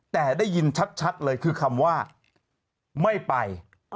แต่ได้ยินชัดเลยคือคำว่าไม่ไป